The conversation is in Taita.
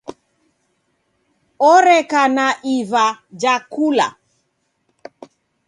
Oreka na iva ja kula.